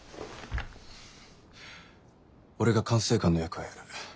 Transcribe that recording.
俺が管制官の役をやる。